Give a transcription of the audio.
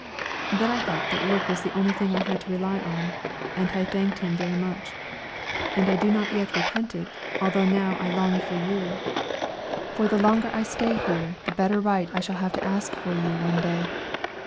Then I thought that work was the only thing I had to rely on, and I thanked him very much; and I do not yet repent it, although now I long for you, for the longer I stay here the better right I shall have to ask for you one day.